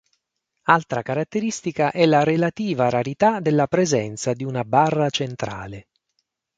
Altra caratteristica è la relativa rarità della presenza di una barra centrale.